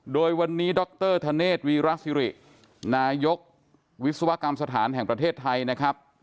โดยวันนี้ดรธเนธวีรสิรินายกวิศวกรรมสถานแห่งประเทศไทยนะครับ